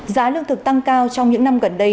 giá lương thực tăng cao trong những năm gần đây